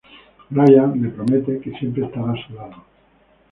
Ryan le promete que siempre estará a su lado.